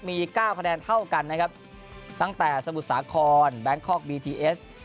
มีเก้าคะแนนเท่ากันนะครับตั้งแต่สมุทรสาครแบงคอกบีทีเอส